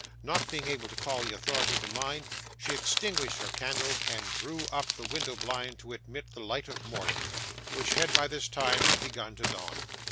Not being able to call the authority to mind, she extinguished her candle, and drew up the window blind to admit the light of morning, which had, by this time, begun to dawn.